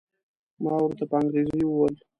ما ورته په انګریزي وویل.